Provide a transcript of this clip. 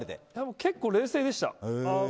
結構、冷静でした。